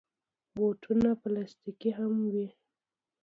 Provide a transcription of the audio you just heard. بوټونه پلاستيکي هم وي.